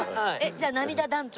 じゃあ涙団長？